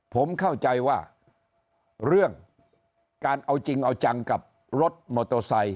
ผมเข้าใจว่าเรื่องการเอาจริงเอาจังกับรถมอเตอร์ไซค